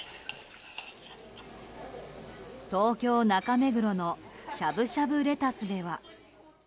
東京・中目黒のしゃぶしゃぶれたすでは。